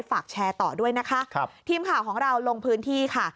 ฝากแชร์ต่อด้วยนะคะครับทีมข่าวของเราลงพื้นที่ค่ะ